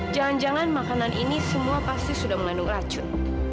jangan jangan makanan ini semua pasti sudah mengandung racun